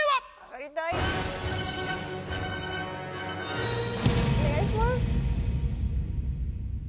お願いします。